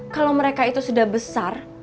kalau mereka itu sudah besar